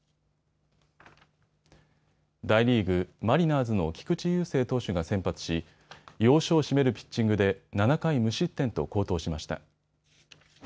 大リーグ、マリナーズの菊池雄星投手が先発し要所を締めるピッチングで７回無失点と好投しました。